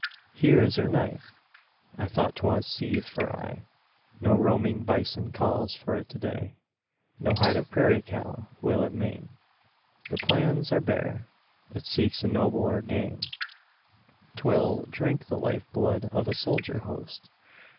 Here is your knife! I thought 'twas sheathed for aye. No roaming bison calls for it to day; No hide of prairie cattle will it maim; The plains are bare, it seeks a nobler game: 'Twill drink the life blood of a soldier host.